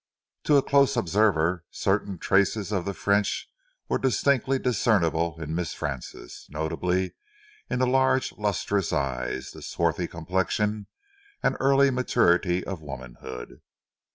To a close observer, certain traces of the French were distinctly discernible in Miss Frances, notably in the large, lustrous eyes, the swarthy complexion, and early maturity of womanhood.